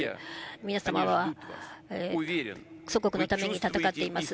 皆様は祖国のために戦っています。